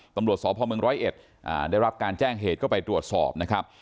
ตสภ๑๐๑ได้รับการแจ้งเหตุก็ไปรวดสอบนะครับ